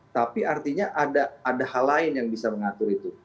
tapi artinya ada hal lain yang bisa mengatur itu